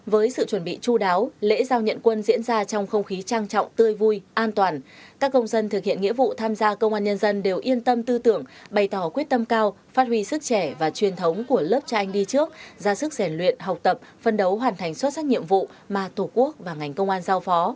với sự chuẩn bị chú đáo lễ giao nhận quân diễn ra trong không khí trang trọng tươi vui an toàn các công dân thực hiện nghĩa vụ tham gia công an nhân dân đều yên tâm tư tưởng bày tỏ quyết tâm cao phát huy sức trẻ và truyền thống của lớp cho anh đi trước ra sức rèn luyện học tập phân đấu hoàn thành xuất sắc nhiệm vụ mà tổ quốc và ngành công an giao phó